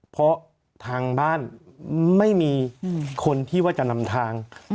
เพราะทางบ้านไม่มีคนที่ว่าจะนำทาง